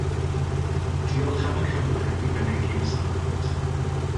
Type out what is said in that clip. Diolch am y cyfle i fynegi fy safbwynt